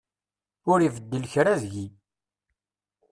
Ur ibeddel kra deg-i.